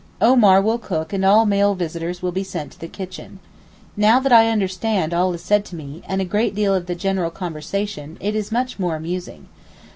Omar will cook and all male visitors will be sent to the kitchen. Now that I understand all that is said to me, and a great deal of the general conversation, it is much more amusing.